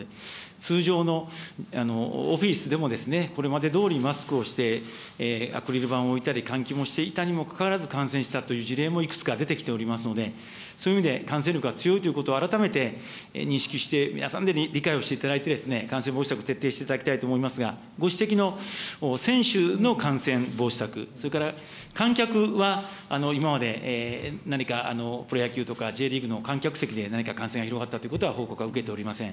通常のオフィスでも、これまでどおりマスクをして、アクリル板を置いたり、換気をしていたにもかかわらず、感染したという事例もいくつか出てきておりますので、そういう意味で感染力が強いということを、改めて認識して、皆さんで理解をしていただいて、感染防止策を徹底していただきたいと思いますが、ご指摘の選手の感染防止策、それから観客は今まで何かプロ野球とかＪリーグの観客席で何か感染が広がったということは報告は受けておりません。